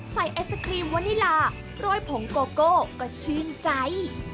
ไอศครีมวานิลาโรยผงโกโก้ก็ชื่นใจ